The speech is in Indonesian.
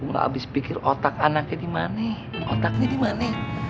udah habis pikir otak anaknya dimana otaknya dimana